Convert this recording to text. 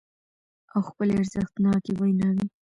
او خپلې ارزښتناکې ويناوې